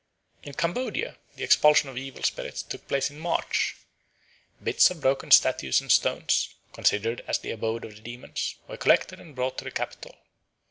In Cambodia the expulsion of evil spirits took place in March. Bits of broken statues and stones, considered as the abode of the demons, were collected and brought to the capital.